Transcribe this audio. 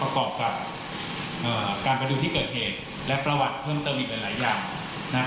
กรอบกับการมาดูที่เกิดเหตุและประวัติเพิ่มเติมอีกหลายอย่างนะฮะ